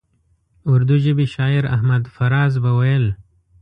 اردو ژبي شاعر احمد فراز به ویل.